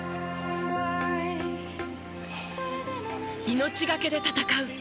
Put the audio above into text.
命がけで戦う。